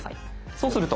そうすると。